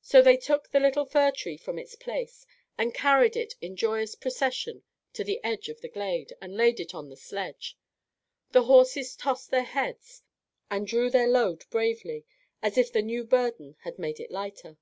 So they took the little fir from its place, and carried it in joyous procession to the edge of the glade, and laid it on the sledge. The horses tossed their heads and drew their load bravely, as if the new burden had made it lighter.